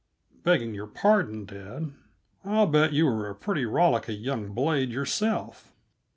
Begging your pardon, dad I'll bet you were a pretty rollicky young blade, yourself."